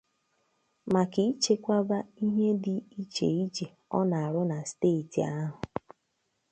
maka ichekwaba ihe dị icheiche ọ na-arụ na steeti ahụ